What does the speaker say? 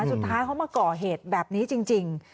สุดท้ายเขามาก่อเหตุแบบนี้จริง